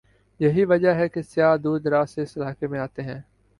یہی وجہ ہے کہ سیاح دور دراز سے اس علاقے میں آتے ہیں ۔